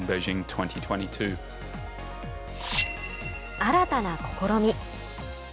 新たな試み。